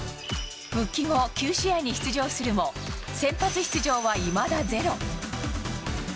復帰後９試合に出場するも先発出場は、いまだゼロ。